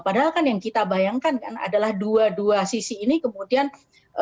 padahal kan yang kita bayangkan kan adalah dua dua sisi ini kemudian